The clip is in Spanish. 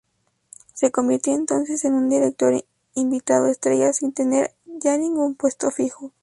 Se convirtió entonces en un director invitado estrella, sin tener ya ningún puesto fijo.